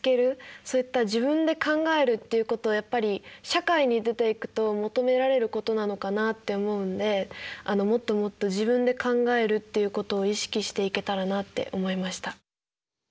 そういった自分で考えるっていうことをやっぱり社会に出ていくと求められることなのかなって思うんでもっともっと自分で考えるっていうことを意識していけたらなって思いました。